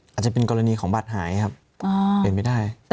อาจจะเป็นกรณีของบัตรหายครับ